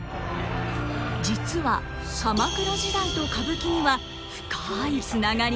実は鎌倉時代と歌舞伎には深いつながりが。